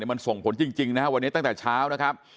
มันส่งผลจริงนะครับวันนี้ตั้งแต่เช้านะครับ